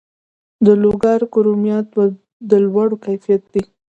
د لوګر کرومایټ د لوړ کیفیت دی